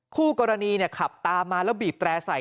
คู่กรณีขับตามมาแล้วบีบแตร่ใส่